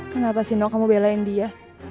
kenapa sih no kamu belain dia